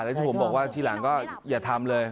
แล้วที่ผมบอกว่าทีหลังก็อย่าทำเลย